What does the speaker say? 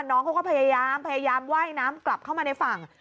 น้องเขาก็พยายามพยายามไหว้น้ำกลับเข้ามาในฝั่ง